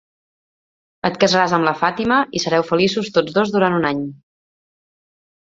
Et casaràs amb la Fàtima i sereu feliços tots dos durant un any.